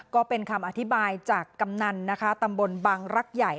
ก็เป็นคำอธิบายจากกำนันนะคะตำบลบังรักใหญ่